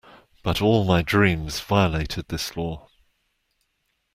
But all my dreams violated this law.